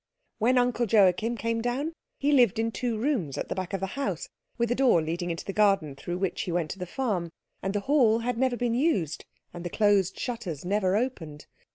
When Uncle Joachim came down he lived in two rooms at the back of the house, with a door leading into the garden through which he went to the farm, and the hall had never been used, and the closed shutters never opened.